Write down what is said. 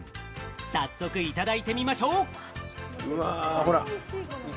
早速、いただいてみましょう。